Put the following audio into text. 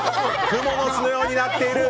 クモの巣のようになっている。